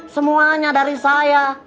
semuanya dari saya